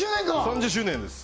３０周年です